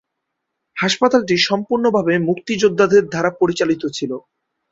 হাসপাতালটি সম্পূর্ণভাবে মুক্তিযোদ্ধাদের দ্বারা পরিচালিত ছিল।